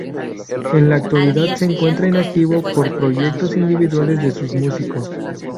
En la actualidad se encuentra inactivo por proyectos individuales de sus músicos.